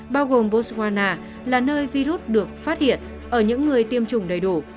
bao gồm boswana là nơi virus được phát hiện ở những người tiêm chủng đầy đủ